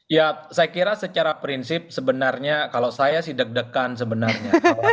ya saya kira secara prinsip sebenarnya kalau saya sih deg degan sebenarnya